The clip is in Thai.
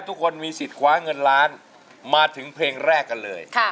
ทุกคนมีสิทธิ์คว้าเงินล้านมาถึงเพลงแรกกันเลย